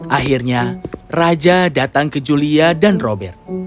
akhirnya raja datang ke julia dan robert